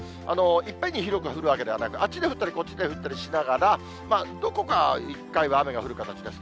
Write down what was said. いっぺんに広く降るわけではなく、あっちで降ったり、こっちで降ったりしながら、どこか一回は雨が降る形です。